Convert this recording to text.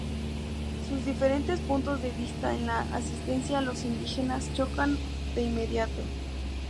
Sus diferentes puntos de vista en la asistencia a los indígenas chocan de inmediato.